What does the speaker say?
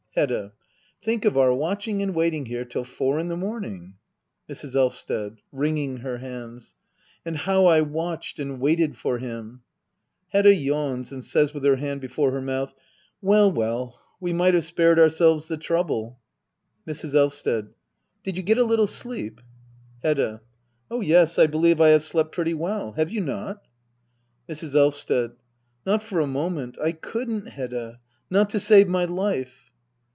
Hedda. Think of our watchmg and waiting here till four in the morning Mrs. Elvsted. [Wringing her hands,] And how I watched and waited for him ! Hedda. [ Yanms, and says with her hand before her mouth,] Well well — we might have spared ourselves the trouble. Mrs. Elvsted. Did you get a little sleep ? Hedda. Oh yes; I believe I have slept pretty well. Have you not ? Mrs. Elvsted. Not for a moment. I couldn't, Hedda !— not to save my life.